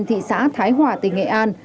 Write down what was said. thị xã thái hòa tỉnh nghệ an